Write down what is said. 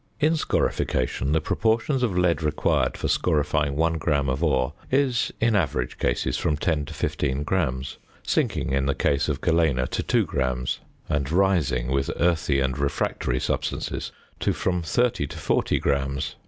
In scorification the proportion of lead required for scorifying 1 gram of ore is in average cases from 10 to 15 grams, sinking in the case of galena to 2 grams, and rising with earthy and refractory substances to from 30 to 40 grams.